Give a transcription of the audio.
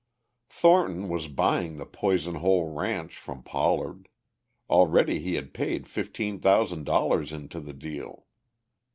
Thornton was buying the Poison Hole ranch from Pollard. Already he had paid fifteen thousand dollars into the deal.